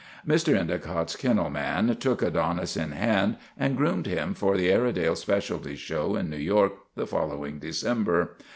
Mr. Endicott's kennel man took Adonis in hand and groomed him for the Airedale specialty show in New York the following December.